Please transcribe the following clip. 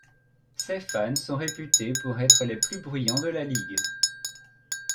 Ses fans sont réputés pour être les plus bruyants de la ligue.